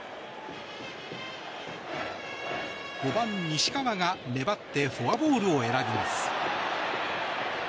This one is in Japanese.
５番、西川が粘ってフォアボールを選びます。